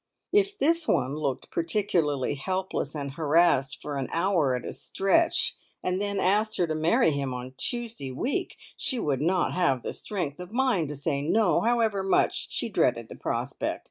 If this one looked particularly helpless and harassed for an hour at a stretch, and then asked her to marry him on Tuesday week, she would not have the strength of mind to say no, however much she dreaded the prospect.